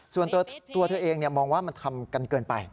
ส่วนตัวเธอเองมองว่ามันทำกันเกินไป